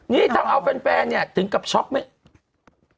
นี่ทำเอาแฟนเนี่ยถึงกับช็อกไหม